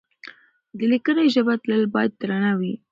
د ليکنۍ ژبې تله بايد درنه وي.